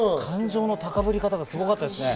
感情の高ぶり方がすごかったですね。